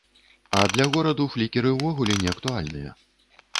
А для гораду флікеры ўвогуле не актуальныя.